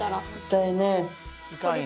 痛いね。